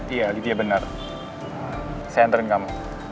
iya lydia benar saya hantarin kamu